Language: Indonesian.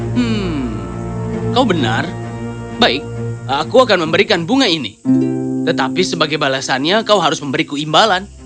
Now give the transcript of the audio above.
hmm kau benar baik aku akan memberikan bunga ini tetapi sebagai balasannya kau harus memberiku imbalan